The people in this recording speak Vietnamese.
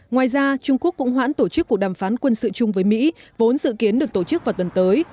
ngoài ra trung quốc cũng hoãn tổ chức cuộc đàm phán quân sự chung với mỹ vốn dự kiến được tổ chức vào tuần tới